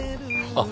あっ